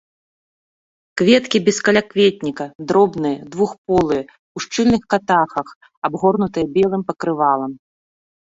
Кветкі без калякветніка, дробныя, двухполыя, у шчыльных катахах, абгорнутых белым пакрывалам.